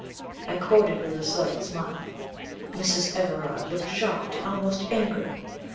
I quoted with, a slight smile. Mrs. Everard looked shocked and almost angry.